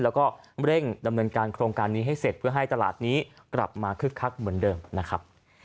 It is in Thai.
แล้วก็เร่งดำเนินการโครงการนี้ให้เสร็จเพื่อให้ตลาดนี้กลับมาคึกคักเหมือนเดิมนะครับ